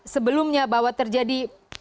sebelumnya bahwa terjadi